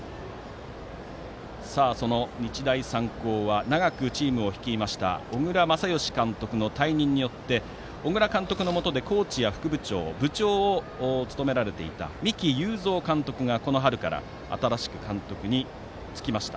日大三高は長くチームを率いました小倉全由監督の退任によって小倉監督のもとでコーチや副部長、部長を務められていた三木有造監督が、この春から新しく監督に就きました。